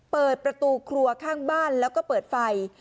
เปิดประตูครัวข้างบ้านแล้วก็เปิดไฟ